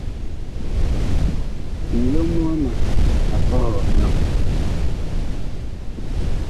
Nlom wama ma pɔhɔɔ nyɔ.